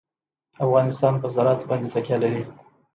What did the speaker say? افغانستان په زراعت باندې تکیه لري.